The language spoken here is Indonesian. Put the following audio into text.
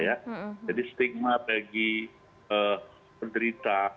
jadi stigma bagi penderita